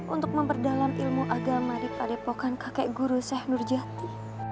untuk memperdalam ilmu agama di padepokan kakek guru sheikh nurjati